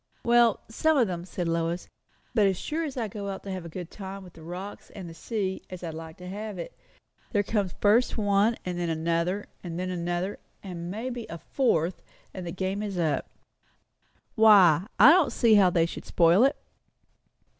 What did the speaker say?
"Well, some of them," said Lois. "But as sure as I go out to have a good time with the rocks and the sea, as I like to have it, there comes first one and then another and then another, and maybe a fourth; and the game is up." "Why? I don't see how they should spoil it."